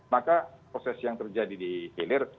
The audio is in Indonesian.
maka proses yang terjadi di hilir